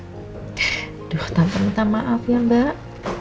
aduh tanpa minta maaf ya mbak